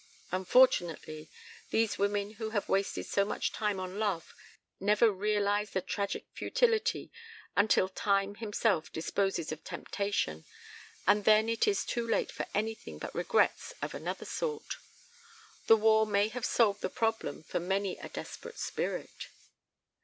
"Unfortunately, these women who have wasted so much time on love never realize the tragic futility until Time himself disposes of temptation, and then it is too late for anything but regrets of another sort. The war may have solved the problem for many a desperate spirit.